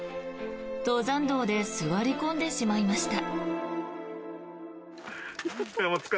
登山道で座り込んでしまいました。